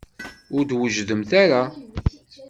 Ur d-twejjdemt ara.